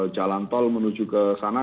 jalan tol menuju ke sana